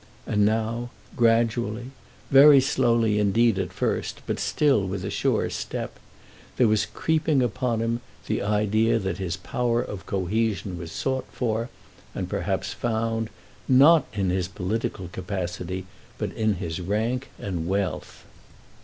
And now, gradually, very slowly indeed at first, but still with a sure step, there was creeping upon him the idea that his power of cohesion was sought for, and perhaps found, not in his political capacity, but in his rank and wealth.